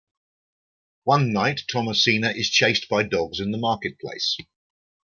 One night Thomasina is chased by dogs in the marketplace.